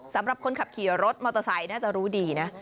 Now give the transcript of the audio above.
สำหรับคนขับขี่รถมอเตอร์ไซค์น่าจะรู้ดีนะ